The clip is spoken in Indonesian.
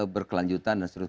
berkelanjutan dan sebagainya